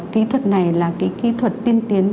kỹ thuật này là kỹ thuật tiên tiến